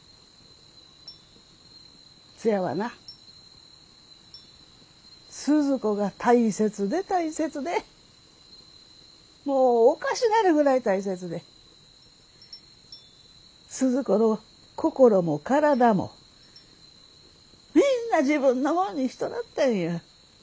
ツヤはなスズ子が大切で大切でもうおかしなるぐらい大切でスズ子の心も体もみんな自分のもんにしとなったんや。